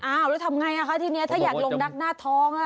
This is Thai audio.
อ้าวแล้วทำไงนะคะทีนี้ถ้าอยากลงนาธอง